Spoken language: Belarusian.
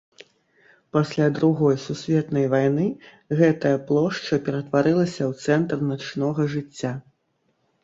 Пасля другой сусветнай вайны гэтая плошча ператварылася ў цэнтр начнога жыцця.